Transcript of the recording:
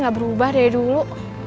gak berubah dari dulu